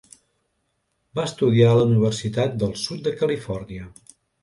Va estudiar a la Universitat del Sud de Califòrnia.